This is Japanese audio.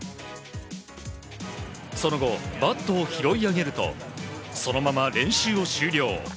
その後、バットを拾い上げるとそのまま練習を終了。